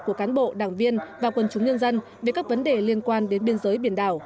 của cán bộ đảng viên và quân chúng nhân dân về các vấn đề liên quan đến biên giới biển đảo